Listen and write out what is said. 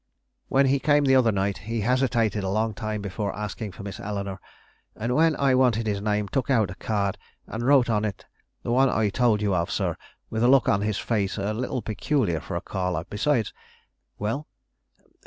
When he came the other night, he hesitated a long time before asking for Miss Eleanore, and when I wanted his name, took out a card and wrote on it the one I told you of, sir, with a look on his face a little peculiar for a caller; besides " "Well?"